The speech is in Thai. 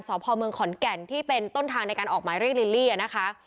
พ่อเมืองขอนแก่นที่เป็นต้นทางในการออกหมายเรียกลิลลี่นะคะ